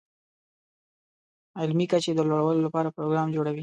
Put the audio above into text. علمي کچې د لوړولو لپاره پروګرام جوړوي.